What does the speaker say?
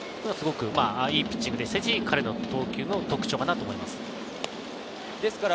いいピッチングでしたし、彼の投球の特徴だと思います。